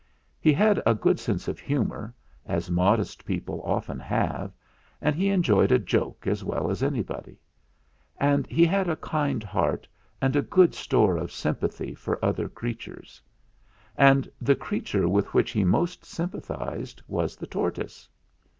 He had a good sense of humour, as modest people often have, and he enjoyed a joke as well as anybody. And he had a kind heart and a good store of sympathy for other creatures; and the creature with which he most sympathised was the tortoise.